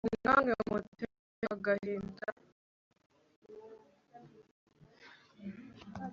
ubu namwe mu te agahinda